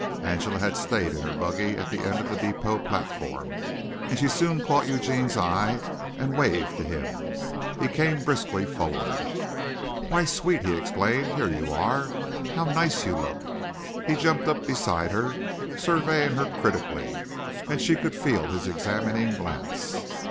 Angela had stayed in her buggy at the end of the depot platform and she soon caught Eugene's eye and waved to him. He came briskly forward. "Why, sweet," he exclaimed, "here you are. How nice you look!" He jumped up beside her, surveying her critically and she could feel his examining glance.